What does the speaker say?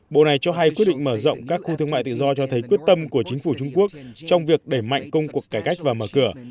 bộ này cho hay quyết định mở rộng các khu thương mại tự do cho thấy quyết tâm của chính phủ trung quốc trong việc đẩy mạnh công cuộc cải cách và mở cửa